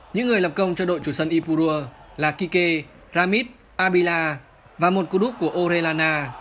những người lập công cho đội chủ sân ipurua là kike ramit abila và một cú đúc của orellana